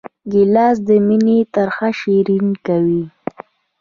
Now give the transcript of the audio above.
ګیلاس د مینې ترخه شیرین کوي.